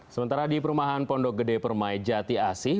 sementara di perumahan pondok gede permai jati asih